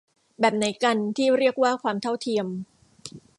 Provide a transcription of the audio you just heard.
แบบไหนกัน ที่เรียกว่าความเท่าเทียม